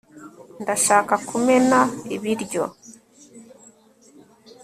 ndashaka kumena ibiryo